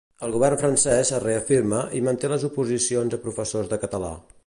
El govern francès es reafirma i manté les oposicions a professors de català.